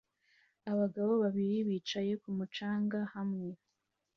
Abagore babiri bicaye ku mucanga hamwe